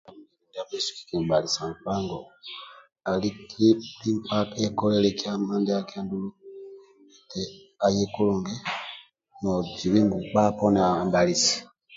Ndia bhesu kikimbalisa nkpa ngo ali ngu buli nkpa ekolilie kyama ndiaki andulu aye kulungi nozibi ngoku akuna mbalisi